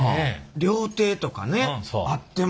料亭とかねあっても。